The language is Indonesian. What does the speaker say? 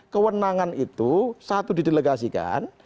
kewenangan itu satu didelegasikan